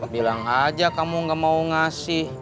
bilang aja kamu gak mau ngasih